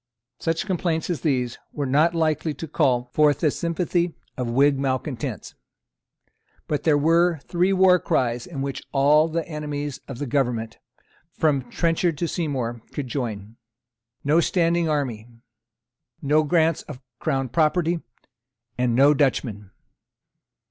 Such complaints as these were not likely to call forth the sympathy of the Whig malecontents. But there were three war cries in which all the enemies of the government, from Trenchard to Seymour, could join: No standing army; No grants of Crown property; and No Dutchmen.